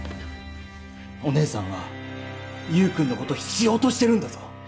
お姉さんは優くんのこと必要としてるんだぞ！